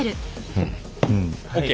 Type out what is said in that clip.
うん。ＯＫ？